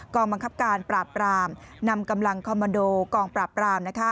บังคับการปราบรามนำกำลังคอมมันโดกองปราบราม